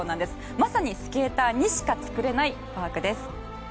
まさにスケーターにしか作れないパークです。